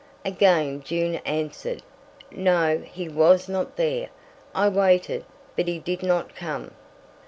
Again June answered: "No; he was not there. I waited, but he did not come."